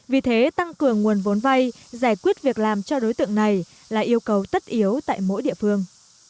vì thế tăng cường nguồn vốn vay giải quyết việc làm cho đối tượng này là yêu cầu tất yếu tại mỗi địa phương